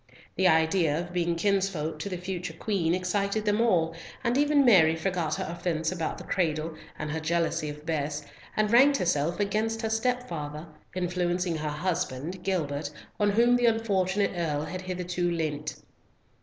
The idea of being kinsfolk to the future Queen excited them all, and even Mary forgot her offence about the cradle, and her jealousy of Bess, and ranked herself against her stepfather, influencing her husband, Gilbert, on whom the unfortunate Earl had hitherto leant.